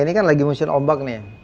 ini kan lagi musim ombak nih